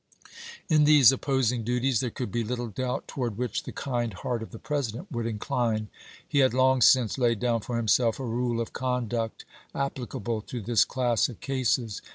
In these opposing duties there could be little doubt toward which the kind heart of the President would incline. He had long since laid down for himself a rule of conduct applicable to this class of cases.